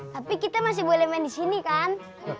tapi kita masih boleh main di sini kan